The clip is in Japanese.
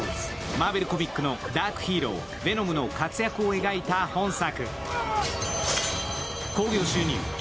マーベルコミックのダークヒーローヴェノムの活躍を描いた本作。